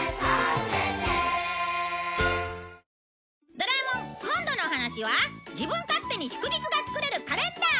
『ドラえもん』今度のお話は自分勝手に祝日がつくれるカレンダー！